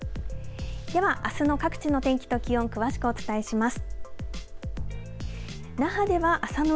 では、あすの各地の天気と気温詳しくお伝えします。